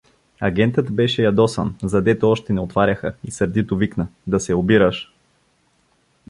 Агентът беше ядосан, задето още не отваряха, и сърдито викна: — Да се обираш!